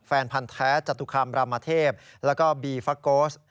แฟนพันธ์แท้จตุคามรามเทพแล้วก็บีฟักโกส